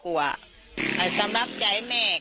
เพราะไม่เคยถามลูกสาวนะว่าไปทำธุรกิจแบบไหนอะไรยังไง